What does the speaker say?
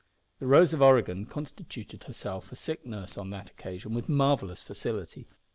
The Rose of Oregon constituted herself a sick nurse on that occasion with marvellous facility.